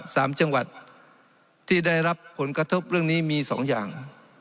สามจังหวัดที่ได้รับผลกระทบเรื่องนี้มีสองอย่าง